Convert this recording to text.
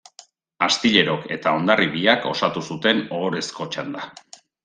Astillerok eta Hondarribiak osatu zuten ohorezko txanda.